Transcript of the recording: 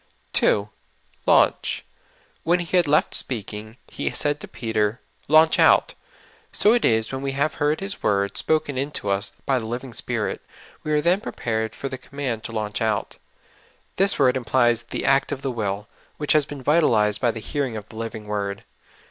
2. ''Launch.'' When He had left speaking, He said to Peter, " Launch out. So it is when we have lieard His w^ord spoken into us, by the living Spirit, we are then prepared for the command to launch out. This word implies the act of the will, which has been vitalized by the hearing of the living w^ord.